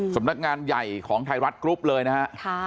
สำนักงานใหญ่ของไทยรัฐกรุ๊ปเลยนะฮะ